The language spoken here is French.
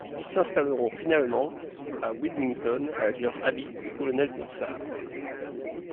Ils s'installeront finalement à Wilmington avec leur ami le colonel Toussard.